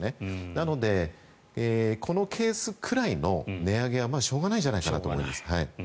なので、このケースくらいの値上げはしょうがないと思います。